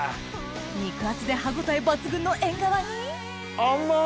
肉厚で歯応え抜群のえんがわに甘っ！